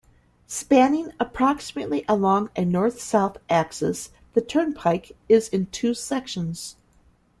Spanning approximately along a north-south axis, the turnpike is in two sections.